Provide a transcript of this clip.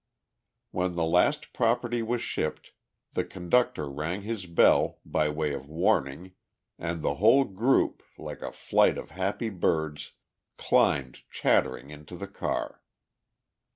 When the last property was shipped, the conductor rang his bell, by way of warning, and the whole group, like a flight of happy birds, climbed chattering into the car.